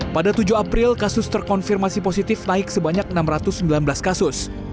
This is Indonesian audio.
pada tujuh april kasus terkonfirmasi positif naik sebanyak enam ratus sembilan belas kasus